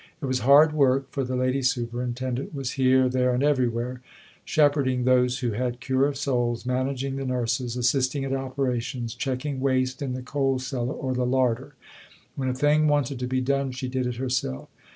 It was hard work, for the Lady Superintendent was here, there, and everywhere, shepherding those who had cure of souls, managing the nurses, assisting at operations, checking waste in the coal cellar or the larder. When a thing wanted to be done, she did it herself.